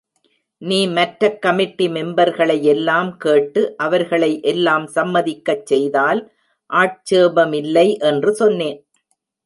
நீ மற்றக் கமிட்டி மெம்பர்களை யெல்லாம் கேட்டு, அவர்களை எல்லாம் சம்மதிக்கச் செய்தால் ஆட்சேபமில்லை என்று சொன்னேன்.